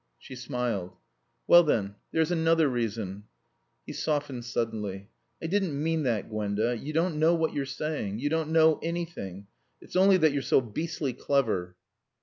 She smiled. "Well, then there's another reason." He softened suddenly. "I didn't mean that, Gwenda. You don't know what you're saying. You don't know anything. It's only that you're so beastly clever."